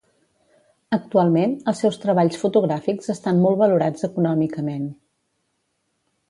Actualment, els seus treballs fotogràfics estan molt valorats econòmicament.